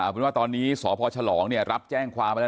ผมว่าตอนนี้สภฉลองเนี่ยรับแจ้งความที่ได้